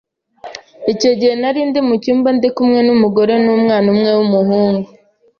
icyo gihe narindi mu cyumba ndi kumwe n’umugore n’umwana umwe w’umuhungu